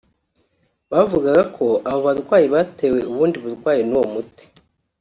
Bavugaga ko abo barwayi batewe ubundi burwayi n’uwo muti